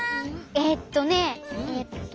えっとねえっと。